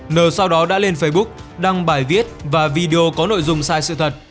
nờ sau đó đã lên facebook đăng bài viết và video có nội dung sai sự thật